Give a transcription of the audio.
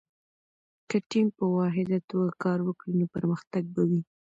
که ټیم په واحده توګه کار وکړي، نو پرمختګ به وي.